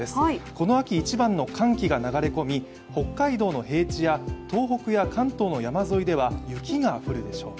この秋一番の寒気が流れ込み北海道の平地や東北や関東の山沿いでは雪が降るでしょう。